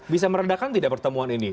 bisa meredakan tidak pertemuan ini